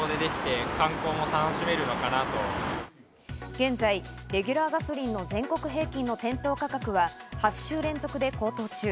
現在、レギュラーガソリンの全国平均の店頭価格は８週連続で高騰中。